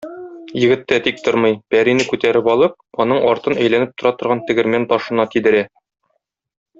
Егет тә тик тормый, пәрине күтәреп алып, аның артын әйләнеп тора торган тегермән ташына тидерә.